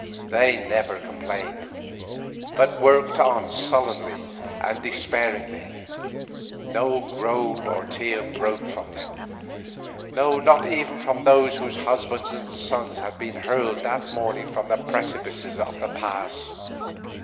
They never complained, but worked on sullenly and despairingly; no groan or tear broke from them, no, not even from those whose husbands and sons had been hurled that morning from the precipices of the pass.